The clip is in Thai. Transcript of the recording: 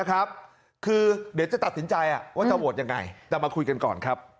คือเดี๋ยวจะตัดสินใจว่าจะโหวตยังไงแต่มาคุยกันก่อนครับ